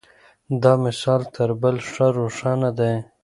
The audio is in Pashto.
دا مثال تر بل ښه روښانه دی.